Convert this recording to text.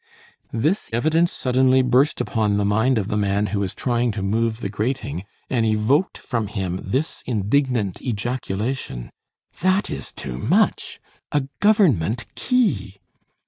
This evidence suddenly burst upon the mind of the man who was trying to move the grating, and evoked from him this indignant ejaculation: "That is too much! A government key!"